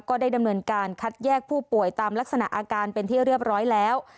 ก็ได้ดำเนินการคัดแยกผู้ป่วยตามลักษณะอาการเป็นที่เรียบร้อยแล้ว